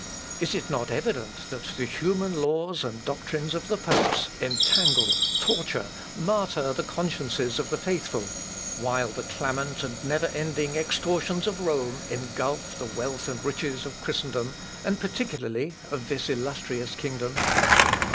Is it not evident that the human laws and doctrines of the popes entangle, torture, martyr the consciences of the faithful, while the clamant and never ending extortions of Rome engulph the wealth and riches of Christendom, and particularly of this illustrious kingdom?